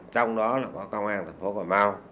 trong đó là có công an thành phố cà mau